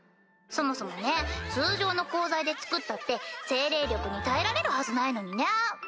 そもそもね通常の鋼材で造ったって精霊力に耐えられるはずないのにね。